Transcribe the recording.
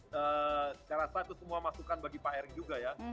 saya rasa itu semua masukan bagi pak erick juga ya